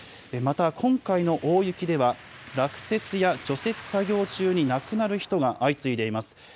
また、今回の大雪では、落雪や除雪作業中に亡くなる人が相次いでいます。